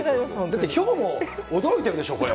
だってヒョウも驚いているでしょ、これ。